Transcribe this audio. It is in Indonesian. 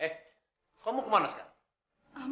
eh kamu kemana sekarang